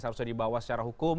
seharusnya dibawa secara hukum